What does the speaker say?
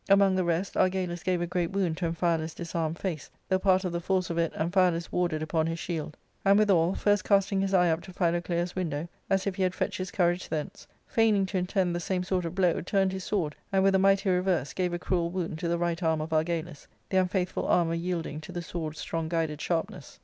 Among the rest, Argalus gave a great wound to Amphialus' disarmed face, though part of the force of it Amphialus warded upon his shield, and withal, first casting his eye up to Philo clea's window, as if he had fetched his courage thence, feign ing to intend the same sort of blow, turned his sword, and,» with a mighty reverse, gave a cruel wound to the right arm of Argalus, the unfaithful armour yielding to the sword's strong guided sharpness.